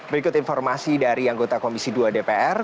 berikut informasi dari anggota komisi dua dpr